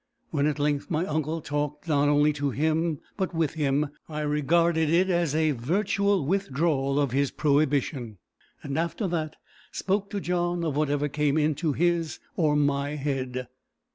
When at length my uncle talked not only to but with him, I regarded it as a virtual withdrawal of his prohibition, and after that spoke to John of whatever came into his or my head.